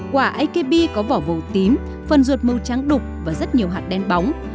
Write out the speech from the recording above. quả akb có vỏ vầu tím phần ruột màu trắng đục và rất nhiều hạt đen bóng